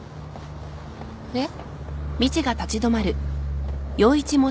えっ？